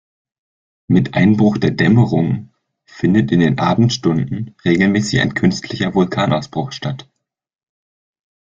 Mit Einbruch der Dämmerung findet in den Abendstunden regelmäßig ein künstlicher Vulkanausbruch statt.